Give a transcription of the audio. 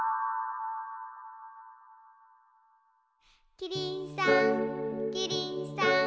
キリンさんキリンさん